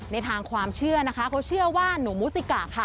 ในทางความเชื่อนะคะเขาเชื่อว่าหนูมูซิกะค่ะ